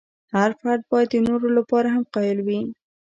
هر فرد باید د نورو لپاره هم قایل وي.